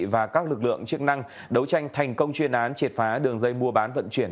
và các lực lượng chức năng đấu tranh thành công chuyên án triệt phá đường dây mua bán vận chuyển